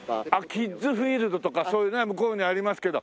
キッズフィールドとかそういうね向こうにありますけど。